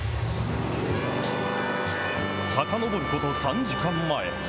さかのぼること３時間前。